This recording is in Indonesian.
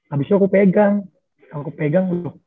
abis itu aku pegang